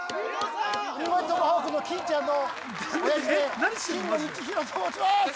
鬼越トマホークの金ちゃんの親父で金野道博と申します